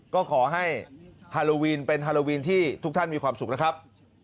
ก็ขอให้ฮาโลวีนเป็นฮาโลวีนที่ทุกท่านมีความสุขนะครับ